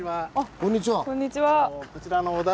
こんにちは。